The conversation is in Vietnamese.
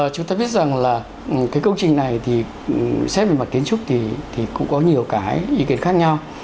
chúng ta biết rằng là cái công trình này thì xét về mặt kiến trúc thì cũng có nhiều cái ý kiến khác nhau